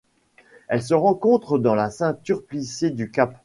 Elle se rencontre dans la ceinture plissée du Cap.